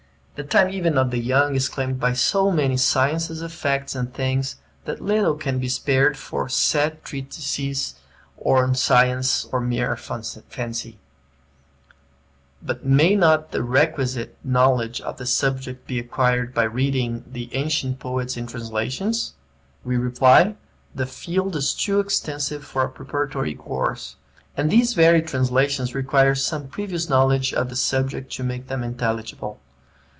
The time even of the young is claimed by so many sciences of facts and things that little can be spared for set treatises on a science of mere fancy. But may not the requisite knowledge of the subject be acquired by reading the ancient poets in translations? We reply, the field is too extensive for a preparatory course; and these very translations require some previous knowledge of the subject to make them intelligible.